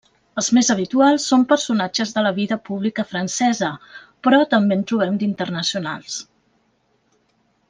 Els més habituals són personatges de la vida pública francesa, però també en trobem d'internacionals.